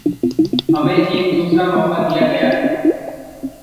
हमें एक दूसरा मौका दिया गया है।